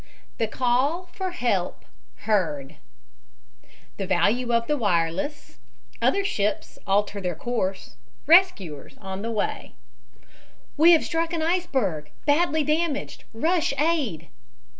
THE CALL FOR HELP HEARD THE VALUE OF THE WIRELESS OTHER SHIPS ALTER THEIR COURSE RESCUERS ON THE WAY "WE have struck an iceberg. Badly damaged. Rush aid."